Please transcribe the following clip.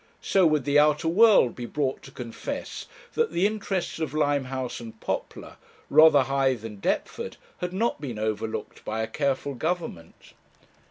So would the outer world be brought to confess that the interests of Limehouse and Poplar, Rotherhithe and Deptford, had not been overlooked by a careful Government.